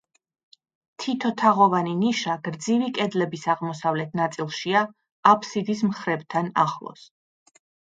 თითო თაღოვანი ნიშა გრძივი კედლების აღმოსავლეთ ნაწილშია აფსიდის მხრებთან ახლოს.